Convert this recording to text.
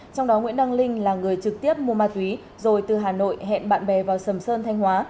trong đó nguyễn đăng linh là người trực tiếp mua ma túy rồi từ hà nội hẹn bạn bè vào sầm sơn thanh hóa